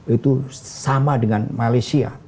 itu sama dengan malaysia